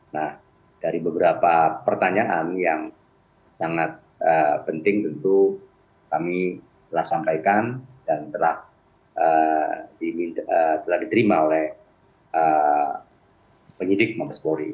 nah dari beberapa pertanyaan yang sangat penting tentu kami telah sampaikan dan telah diterima oleh penyidik mabespori